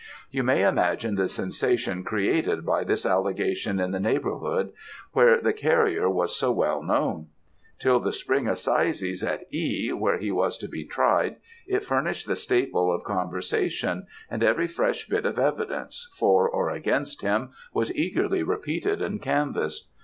"You may imagine the sensation created by this allegation in the neighbourhood, where the carrier was so well known. Till the spring assizes at E , where he was to be tried, it furnished the staple of conversation, and every fresh bit of evidence, for or against him, was eagerly repeated and canvassed.